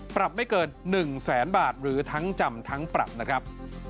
ปรับไม่เกิน๑แสนบาทหรือทั้งจำทั้งปรับนะครับ